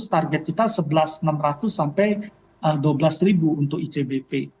target kita sebelas ribu enam ratus dua belas ribu untuk icbp